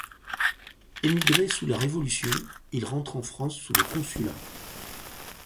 Émigré sous la Révolution, il rentre en France sous le Consulat.